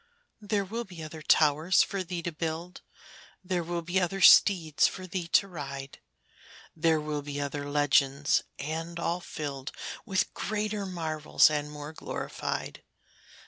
There will be other towers for thee to build; There will be other steeds for thee to ride; There will be other legends, and all filled With greater marvels and more glorified.